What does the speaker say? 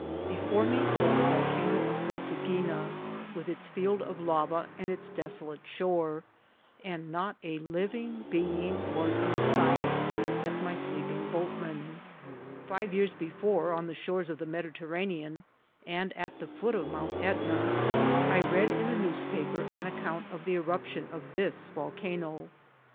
Before me was the Volcano of Cosaguina, with its field of lava and its desolate shore, and not a living being was in sight except my sleeping boatmen. Five years before, on the shores of the Mediterranean, and at the foot of Mount Etna, I read in a newspaper an account of the eruption of this volcano.